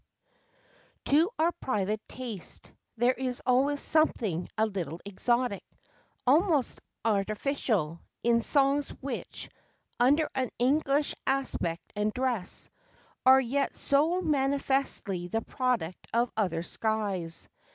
"To our private taste, there is always something a little exotic, almost artificial, in songs which, under an English aspect and dress, are yet so manifestly the product of other skies.